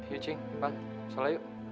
yuk cing bang sholat yuk